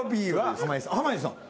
濱家さん。